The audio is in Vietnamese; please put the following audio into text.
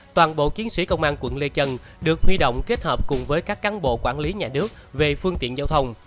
toàn bộ chiến sĩ công an quận lê chân được huy động kết hợp cùng với các cán bộ quản lý nhà nước về phương tiện giao thông